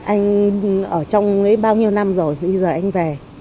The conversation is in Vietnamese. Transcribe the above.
anh ở trong bao nhiêu năm rồi bây giờ anh về